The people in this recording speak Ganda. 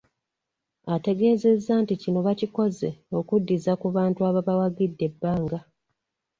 Ategeezezza nti kino bakikoze okuddiza ku bantu ababawagidde ebbanga.